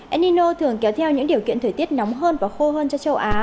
enino thường kéo theo những điều kiện thời tiết nóng hơn và khô hơn cho châu á